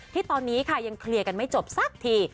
ที่ตอนนี้ค่ะยังเคลียร์กันไม่จบสักที